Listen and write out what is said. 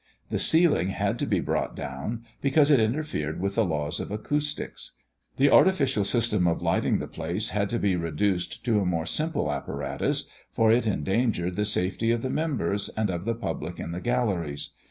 The ceiling had to be brought down, because it interfered with the laws of acoustics. The artificial system of lighting the place had to be reduced to a more simple apparatus, for it endangered the safety of the members, and of the public in the galleries.